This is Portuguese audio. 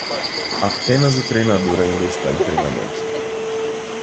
Apenas o treinador ainda está em treinamento